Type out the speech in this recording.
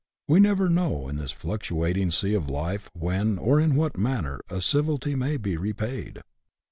We never know, in this fluctuating sea of life, when, or in what manner, a civility may be repaid.